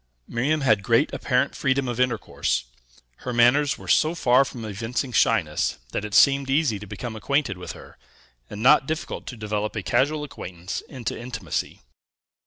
Miriam had great apparent freedom of intercourse; her manners were so far from evincing shyness, that it seemed easy to become acquainted with her, and not difficult to develop a casual acquaintance into intimacy.